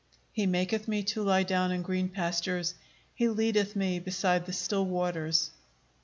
"He maketh me to lie down in green pastures: he leadeth me beside the still waters."